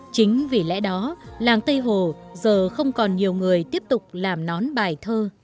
chính vì lẽ đó làng tây hồ giờ không còn nhiều người tiếp tục làm nón bài thơ